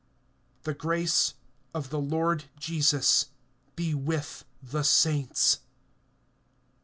(21)The grace of the Lord Jesus be with the saints.